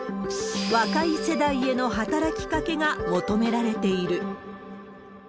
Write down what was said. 若い世代への働きかけが求められている。